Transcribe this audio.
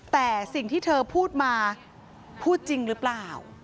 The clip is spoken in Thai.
แต่สิ่งที่เธอพูดมาพูดจริงหรือเปล่า